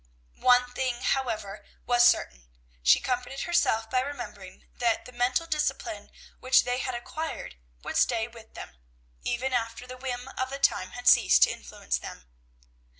One thing, however, was certain: she comforted herself by remembering, that the mental discipline which they had acquired would stay with them, even after the whim of the time had ceased to influence them.